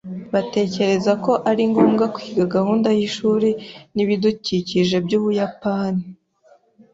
Batekereza ko ari ngombwa kwiga gahunda y’ishuri n’ibidukikije by’Ubuyapani